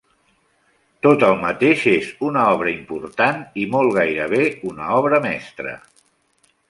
Tot el mateix és una obra important i molt gairebé una obra mestra...